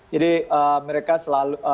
jadi mereka selalu